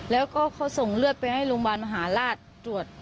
แล้วก็เขาส่งเลือดไปให้โรงพยาบาลมหาราชตรวจ